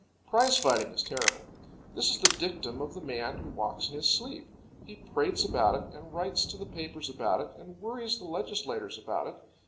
Prize fighting is terrible. This is the dictum of the man who walks in his sleep. He prates about it, and writes to the papers about it, and worries the legislators about it.